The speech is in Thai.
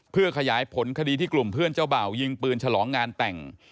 เพื่อขยายผลคดีที่กลุ่มเพื่อนเจ้าบ่าวยิงปืนฉลองงานแต่ง